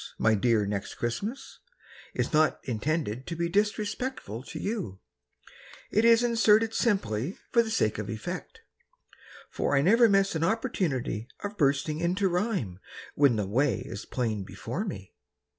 My dear Next Christmas, Is not intended to be Disrespectful to you; It is inserted simply For the sake of effect. For I never miss an opportunity Of bursting into rhyme. When the way is plain before me.